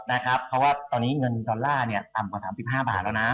เพราะว่าตอนนี้เงินดอลลาร์ต่ำกว่า๓๕บาทแล้วนะ